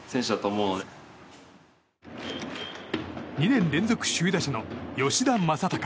２年連続首位打者の吉田正尚。